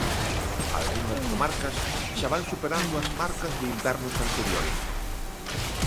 Algunhas comarcas xa van superando as marcas de invernos anteriores.